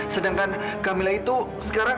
sedangkan kamila itu sekarang